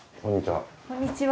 こんにちは。